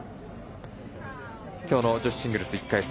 きょうの女子シングルス１回戦